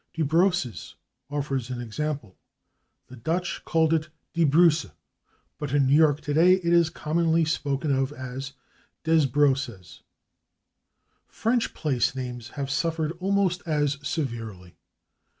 /Desbrosses/ offers an example. The Dutch called it /de Broose/, but in New York today it is commonly spoken of as /Dez bros sez/. French place names have suffered almost as severely.